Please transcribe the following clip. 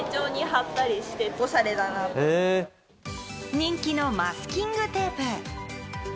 人気のマスキングテープ。